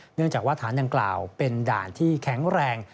เนื่องจากว่าฐานดังกล่าวเป็นด่านที่แข็งแรง